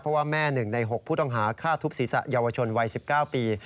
เพราะว่าแม่๑ใน๖ผู้ต้องหาฆ่าทุบศีรษะเยาวชนวัย๑๙ปี